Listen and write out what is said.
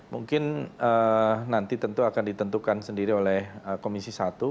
mungkin nanti tentu akan ditentukan sendiri oleh komisi satu